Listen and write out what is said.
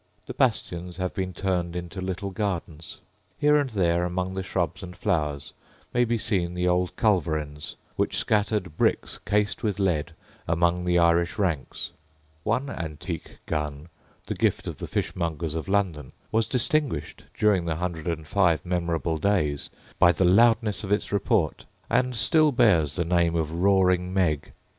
The bastions have been turned into little gardens. Here and there, among the shrubs and flowers, may be seen the old culverins which scattered bricks, cased with lead, among the Irish ranks. One antique gun, the gift of the Fishmongers of London, was distinguished, during the hundred and five memorable days, by the loudness of its report, and still bears the name of Roaring Meg.